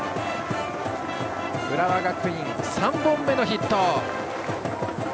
浦和学院、３本目のヒット。